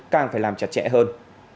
càng phải làm chặt chẽ hơn